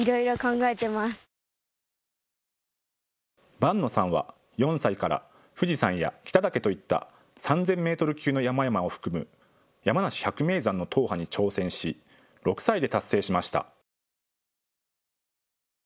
伴野さんは４歳から富士山や北岳といった３０００メートル級の山々を含む山梨百名山の踏破に挑戦し６歳で達成しました。